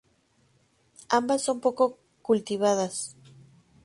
Ambas son poco cultivadas.